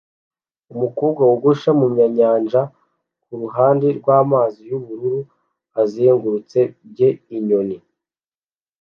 umukobwa wogosha mumyanyanja kuruhande rwamazi yubururu azengurutse bye inyoni